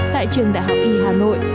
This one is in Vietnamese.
tại trường đại học y hà nội